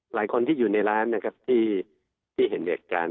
หลายคนที่อยู่ในร้านนะครับที่เห็นเหตุการณ์